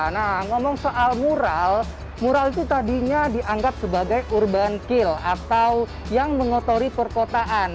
nah ngomong soal mural mural itu tadinya dianggap sebagai urban kill atau yang mengotori perkotaan